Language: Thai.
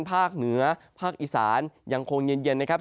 ภาคเหนือภาคอีสานยังคงเย็นนะครับ